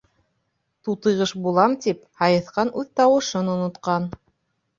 Тутыйғош булам тип, һайыҫҡан үҙ тауышын онотҡан.